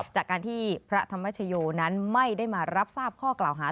จากการที่พระธรรมชโยนั้นไม่ได้มารับทราบข้อกล่าวหา